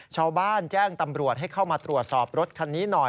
ชาวบ้านแจ้งตำรวจให้เข้ามาตรวจสอบรถคันนี้หน่อย